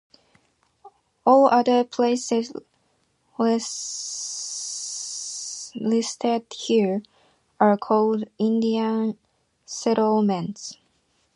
All other places listed here are called Indian Settlements.